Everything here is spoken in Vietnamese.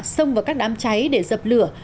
xông vào các đám cháy để dập lửa